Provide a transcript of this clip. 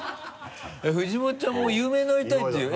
藤本ちゃんも有名になりたいっていう。